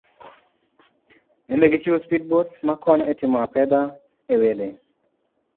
Nende gichiwo speed boats makonyo etimo apedha ewedhe.